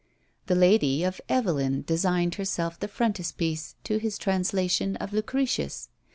The lady of Evelyn designed herself the frontispiece to his translation of Lucretius.